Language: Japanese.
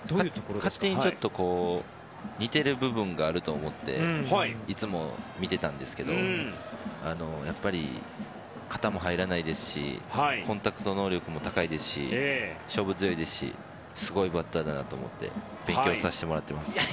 勝手に似ている部分があると思っていつも見ていたんですけどやっぱり、肩も入らないですしコンタクト能力も高いですし勝負強いですしすごいバッターだなと思って勉強させてもらってます。